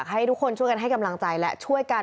คุณผู้ชมไปฟังเสียงพร้อมกัน